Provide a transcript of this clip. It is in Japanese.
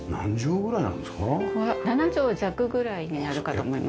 ここは７畳弱ぐらいになるかと思います。